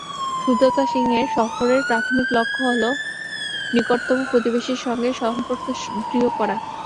সুজাতা সিংয়ের সফরের প্রাথমিক লক্ষ্য হলো নিকটতম প্রতিবেশীর সঙ্গে সম্পর্ক দৃঢ় করা।